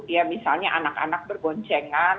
ya misalnya anak anak berboncengan